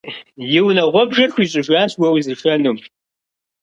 И унагъуэбжэр хуищӏыжащ уэ узышэнум.